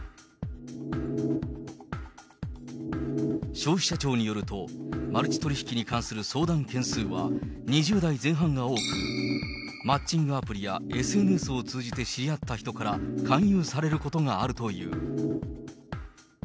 消費者庁によると、マルチ取り引きに関する相談件数は、２０代前半が多く、マッチングアプリやＳＮＳを通じて知り合った人から勧誘されることがあるという。